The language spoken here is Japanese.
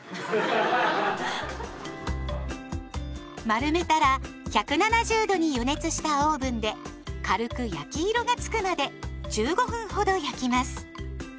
丸めたら１７０度に予熱したオーブンで軽く焼き色がつくまで１５分ほど焼きます。